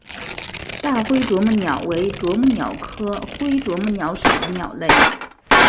大灰啄木鸟为啄木鸟科灰啄木鸟属的鸟类。